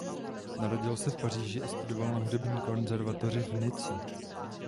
Narodil se v Paříži a studoval na hudební konzervatoři v Nice.